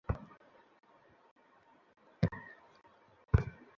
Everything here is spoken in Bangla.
ভালো হয়েছে, বলবিও না।